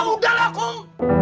ya udah lah kum